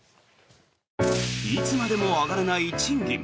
いつまでも上がらない賃金。